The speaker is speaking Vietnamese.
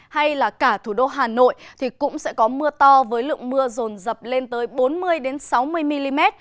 hay là cả thủ đô hà nội thì cũng sẽ có mưa to với lượng mưa rồn dập lên tới bốn mươi sáu mươi mm